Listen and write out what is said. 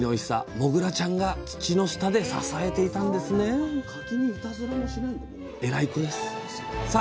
もぐらちゃんが土の下で支えていたんですねさあ